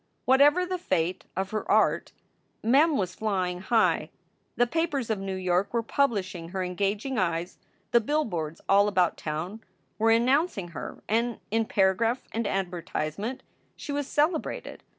Whatever the fate of her art, Mem was flying high. The papers of New York were publishing her engaging eyes, the billboards all about town were announcing her, and in paragraph and advertisement she was celebrated.